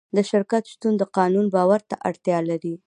د شرکت شتون د قانون باور ته اړتیا لري.